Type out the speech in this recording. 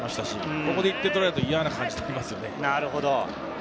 ここで１点取られると嫌な感じがしますよね。